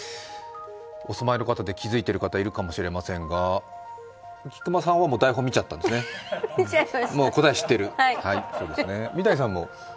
お住まいの方で気づいている方がいらっしゃるかもしれませんが、菊間さんは台本見ちゃったんですね、もう答え知ってる、三谷さんも？